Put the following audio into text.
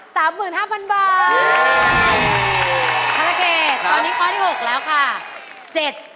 ธาระเกษตอนนี้ข้อที่๖แล้วค่ะครับ